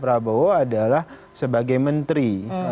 prabowo adalah sebagai menteri